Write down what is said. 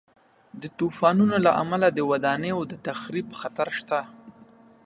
د طوفانونو له امله د ودانیو د تخریب خطر شته.